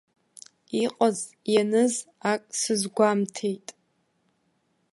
Иҟаз-ианыз ак сызгәамҭеит.